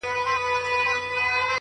هغه ښه دي نه چي ستا پر عقل سم وي!!